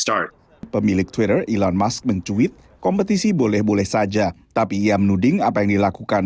ada yang menyebabkan mereka berpengalaman